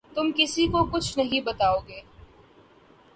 تم کسی کو کچھ نہیں بتاؤ گے